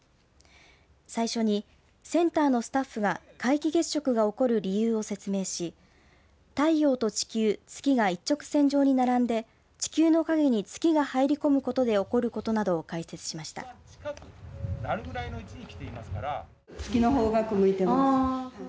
最初にセンターのスタッフが皆既月食が起こる理由を説明し太陽と地球、月が一直線上に並んで地球の影に月が入り込むことで起こることなどを解説しました。